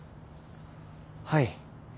はい。